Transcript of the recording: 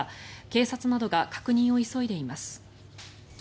警察などが確認を急いでいます。